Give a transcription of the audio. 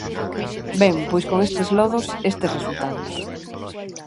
Ben, pois con estes lodos, estes resultados.